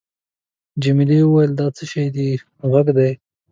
جميلې وويل:: دا د څه شي ږغ دی؟